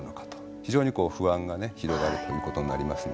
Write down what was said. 非常に不安がね広がるということになりますね。